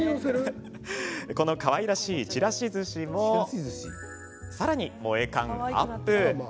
このかわいらしいちらしずしもさらに、もえ感アップ。